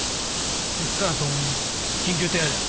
関川朋美緊急手配だ。